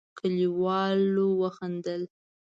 کليوالو وخندل.